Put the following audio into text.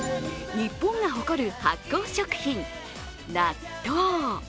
日本が誇る発酵食品、納豆。